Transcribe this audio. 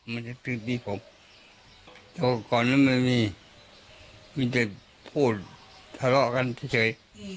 มันจะตื่นตีผมก่อนนั้นมันไม่มีมีแต่พูดทะเลาะกันเฉยเฉย